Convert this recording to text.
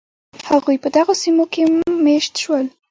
هغوی په دغو سیمو کې مېشت شول.